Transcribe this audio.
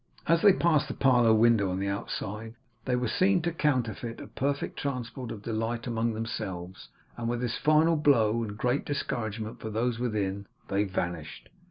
As they passed the parlour window on the outside, they were seen to counterfeit a perfect transport of delight among themselves; and with this final blow and great discouragement for those within, they vanished.